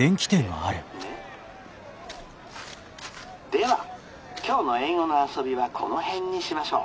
・「では今日の英語の遊びはこの辺にしましょう。